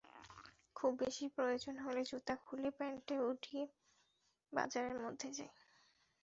খুব বেশি প্রয়োজন হলে জুতা খুলে প্যান্ট গুটিয়ে বাজারের মধ্যে যাই।